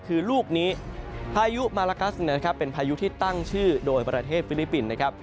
คือลูกนี้พายุมาลากัสนะครับเป็นพายุที่ตั้งชื่อโดยประเทศฟิลิปปินส์นะครับ